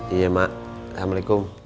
iya mak assalamualaikum